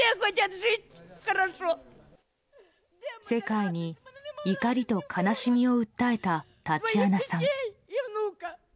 世界に怒りと悲しみを訴えたタチアナさん。